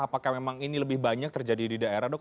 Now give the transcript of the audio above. apakah memang ini lebih banyak terjadi di daerah dok